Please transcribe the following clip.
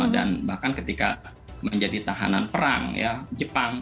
dan bahkan ketika menjadi tahanan perang ya jepang